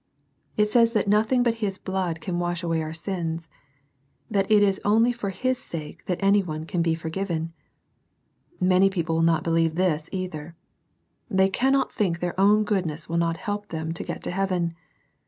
It says that nothing but His blood can wash away our sins ; that it is only for His sake that any one can be forgiven. Many people will not believe this either. They cannot think their own goodness will not help to get them to heaven.